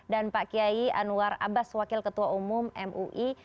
dan pak kiai anwar abbas wakil ketua umum mui